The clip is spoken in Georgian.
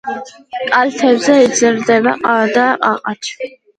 კალთებზე იზრდება ყავა და ყაყაჩო.